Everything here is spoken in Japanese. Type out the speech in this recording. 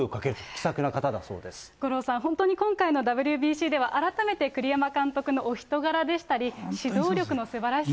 気さくな方だ五郎さん、本当に今回のＷＢＣでは、改めて栗山監督のお人柄でしたり、指導力のすばらしさ。